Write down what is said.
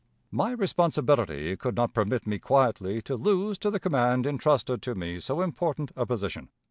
"My responsibility could not permit me quietly to lose to the command intrusted to me so important a position.